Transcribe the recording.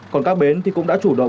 còn các bến thì cũng đã chủ động